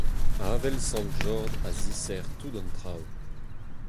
Avel sant Jord a zisec'h tout an traoù.